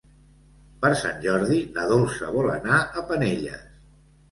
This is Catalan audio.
Per Sant Jordi na Dolça vol anar a Penelles.